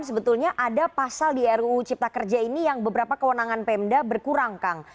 sebetulnya ada pasal di ruu cipta kerja ini yang beberapa kewenangan pemda berkurang kang